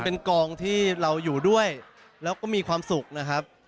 เป็นกองที่เราอยู่ด้วยแล้วก็มีความสุขนะครับ